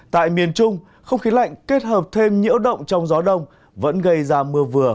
tại miền trung không khí lạnh kết hợp thêm nhiễu động trong gió đông vẫn gây ra mưa vừa